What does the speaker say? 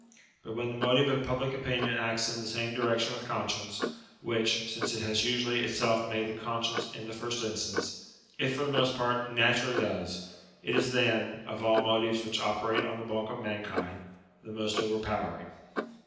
But when the motive of public opinion acts in the same direction with conscience, which, since it has usually itself made the conscience in the first instance, it for the most part naturally does ; it is then, of all motives which operate on the bulk of mankind, the most overpowering.